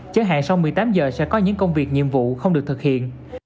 chẳng hạn sau một mươi tám giờ sẽ có những công việc nhiệm vụ không được thực hiện